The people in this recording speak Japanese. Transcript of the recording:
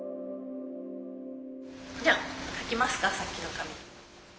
じゃあ書きますかさっきの紙。